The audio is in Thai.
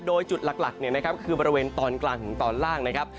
โดยจุดหลักคือบริเวณตอนกลางถึงตอนล่างนะครับ